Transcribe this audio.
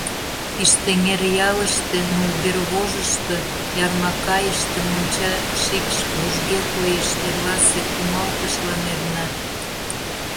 Пиштеҥер ялыште, Нулгервожышто, Ярмакайыште монча шикш вужге коеш: эрласе кумалтышлан эрнат.